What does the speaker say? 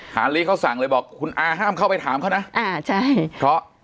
หาลีเขาสั่งเลยบอกคุณอาห้ามเข้าไปถามเขานะอ่าใช่เพราะ